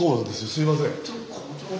すいません。